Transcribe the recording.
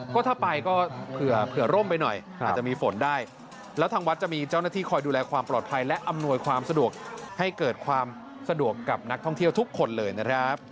ก็ถ้าไปก็เผื่อร่มไปหน่อยอาจจะมีฝนได้แล้วทางวัดจะมีเจ้าหน้าที่คอยดูแลความปลอดภัยและอำนวยความสะดวกให้เกิดความสะดวกกับนักท่องเที่ยวทุกคนเลยนะครับ